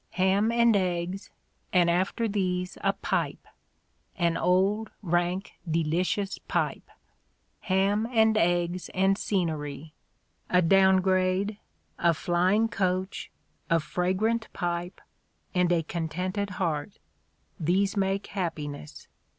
Ham and eggs, and after these a pipe — an old, rank, de licious pipe — ham and eggs and scenery, a 'down grade,' 54 The Ordeal of Mark Twain a flying coach, a fragrant pipe, and a contented heart — these make happiness.